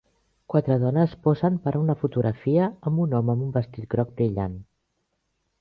Quatre dones posen per a una fotografia amb un home amb un vestit groc brillant.